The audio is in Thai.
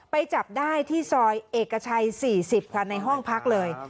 ไปจับได้ที่ซอยเอกชัย๔๐ค่ะในห้องพักเลย